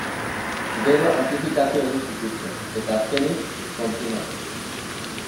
Gero, anplifikatu egin zituzten, eta azkenik, konprimatu.